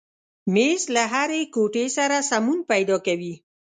مېز له هرې کوټې سره سمون پیدا کوي.